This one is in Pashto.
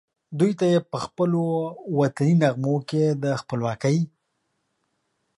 دوی ته یې پخپلو وطني نغمو کې د خپلواکۍ